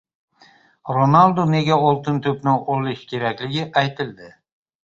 Ronaldu nega "Oltin to‘p"ni olishi kerakligi aytildi